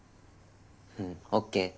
うん。ＯＫ。